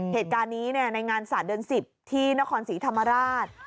เหตุการณ์นี้ในงานศาสตร์เดือน๑๐ที่นครศรีธรรมราช